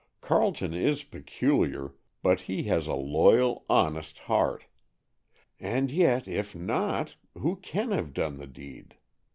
"Carleton is peculiar, but he has a loyal, honest heart. And yet, if not, who can have done the deed?